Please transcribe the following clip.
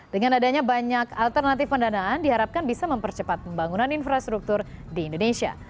dengan adanya banyak alternatif pendanaan diharapkan bisa mempercepat pembangunan infrastruktur di indonesia